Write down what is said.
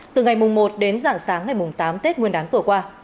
từ ngày mùng một đến giảng sáng ngày mùng tám tết nguyên đán vừa qua